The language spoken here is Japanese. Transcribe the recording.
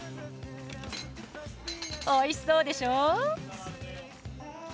おいしそうでしょう。